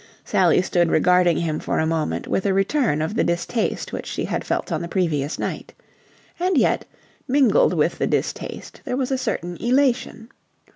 Sally stood regarding him for a moment with a return of the distaste which she had felt on the previous night. And yet, mingled with the distaste, there was a certain elation.